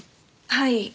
はい。